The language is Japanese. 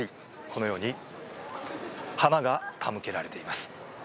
このように花が手向けられています。